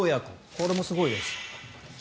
これもすごいです。